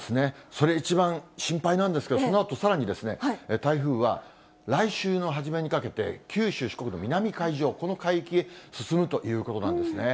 それ、一番心配なんですけれども、そのあとさらにですね、台風は来週の初めにかけて、九州、四国の南海上、この海域へ進むということなんですね。